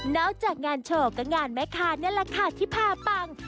จากงานโชว์ก็งานแม่ค้านั่นแหละค่ะที่พาปัง